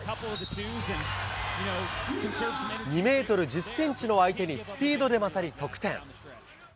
２メートル１０センチの相手にスピードで勝り、得点。